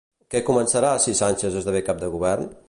Què començarà si Sánchez esdevé cap de govern?